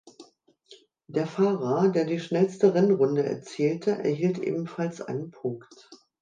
Der Fahrer, der die schnellste Rennrunde erzielte, erhielt ebenfalls einen Punkt.